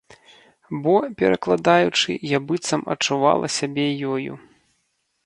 Бо, перакладаючы, я быццам адчувала сябе ёю.